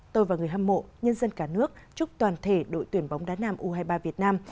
tôi và người hâm mộ nhân dân cả nước chúc toàn thể đội tuyển bóng đá nam u hai mươi ba việt nam